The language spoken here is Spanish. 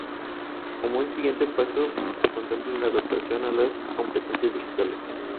Como un siguiente paso se contempla la adaptación a las competencias digitales.